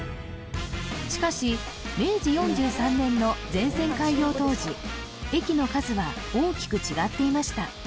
しかし明治４３年の全線開業当時駅の数は大きく違っていました